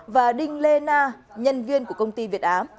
và đinh lê na nhân viên của công ty việt á